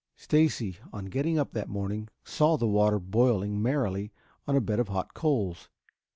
Stacy, on getting up that morning, saw the water boiling merrily on a bed of hot coals.